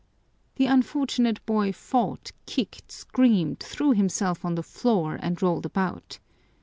The unfortunate boy fought, kicked, screamed, threw himself on the floor and rolled about.